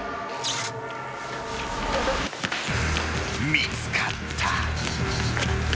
［見つかった］